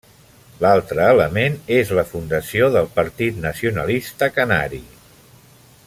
L'altre element és la fundació del Partit Nacionalista Canari.